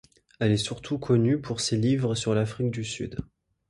Elle est surtout connue pour ses livres sur l'Afrique du Sud.